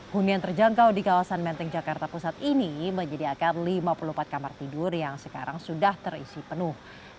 hunian terjangkau di kawasan menteng jakarta pusat ini menyediakan lima puluh empat kamar tidur yang sekarang sudah terisi penuh